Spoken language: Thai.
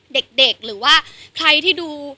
เด็กหรือว่าใครที่ดู